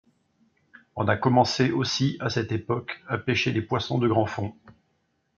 On a commencé aussi à cette époque à pêcher les poissons de grands fonds.